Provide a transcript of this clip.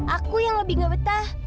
aku yang lebih gak betah